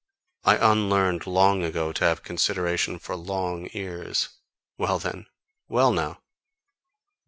I unlearned long ago to have consideration for long ears. Well then! Well now!